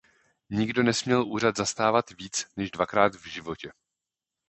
Nikdo nesměl úřad zastávat víc než dvakrát v životě.